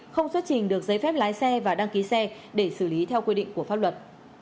không xuất trình được giấy phép lái xe và đăng ký xe để xử lý theo quy định của pháp luật